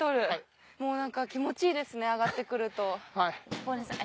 もう何か気持ちいいですね上がって来ると。